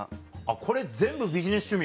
これ全部ビジネス趣味？